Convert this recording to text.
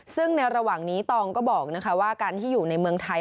ซึ่งในระหว่างนี้ตองก็บอกว่าการที่อยู่ในเมืองไทย